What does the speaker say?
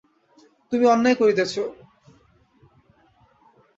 তুমি অন্যায় করিতেছ।